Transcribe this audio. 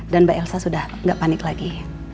dan mbak elsa sudah gak panik lagi